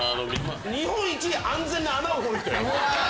日本一安全な穴を掘る人よ。